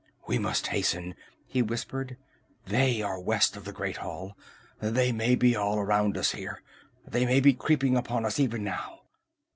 "We must hasten!" he whispered. "They are west of the Great Hall! They may be all around us here! They may be creeping upon us even now!"